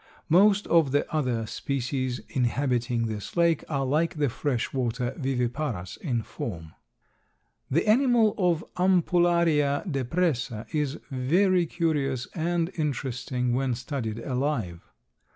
Most of the other species inhabiting this lake are like the fresh water Viviparas in form. The animal of Ampullaria depressa is very curious and interesting when studied alive.